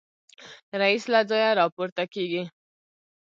رییس له ځایه راپورته کېږي.